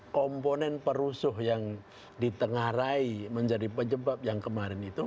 komponen perusuh yang ditengarai menjadi penyebab yang kemarin itu